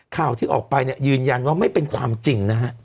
ข่าวที่ออกไปเนี่ยยืนยันว่าไม่เป็นความจริงนะฮะ